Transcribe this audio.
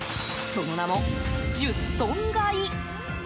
その名も、１０トン買い。